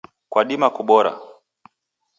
Kwadima kubora